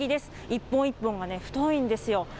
一本一本が太いんですよ。